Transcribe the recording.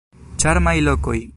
Ĉarmaj lokoj.